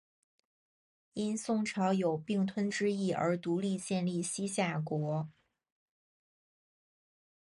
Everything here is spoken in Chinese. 因宋朝有并吞之意而独立建立西夏国。